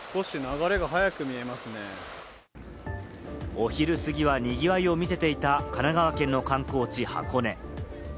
お昼過ぎは賑わいを見せていた神奈川県の観光地・箱根。